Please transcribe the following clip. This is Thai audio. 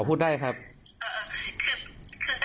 แต่ว่าคนที่เหนื่อยกว่าหมอมีเยอะมากคือแบบ